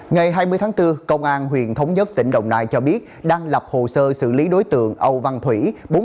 ngày hai mươi tháng bốn công an huyện thống nhất tỉnh đồng nai cho biết đang lập hồ sơ xử lý đối tượng âu văn thủy